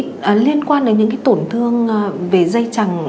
thưa bác sĩ liên quan đến những tổn thương về dây chẳng